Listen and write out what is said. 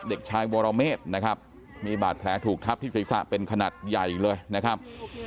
เด็กชายวรเมฆนะครับมีบาดแผลถูกทับที่ศีรษะเป็นขนาดใหญ่เลยนะครับ